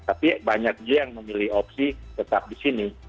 tapi banyak juga yang memilih opsi tetap di sini